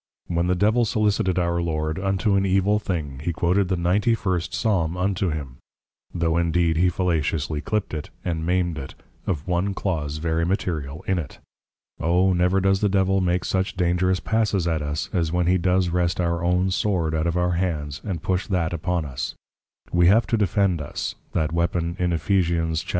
When the Devil Solicited our Lord, unto an evil thing, he quoted the Ninty First Psalm unto him, tho' indeed he fallaciously clip'd it, and maim'd it, of one clause very material in it. O never does the Devil make such dangerous Passes at us, as when he does wrest our own Sword out of our Hands, and push That upon us. We have to defend us, that Weapon in _Eph. 6.16.